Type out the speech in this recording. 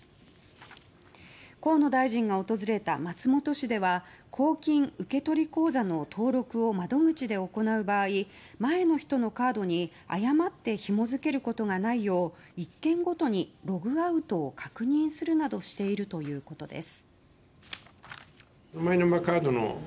河野大臣が訪れた松本市では公金受取口座の登録を窓口で行う場合前の人のカードに誤ってひも付けることがないよう１件ごとにログアウトを確認するなどしているということです。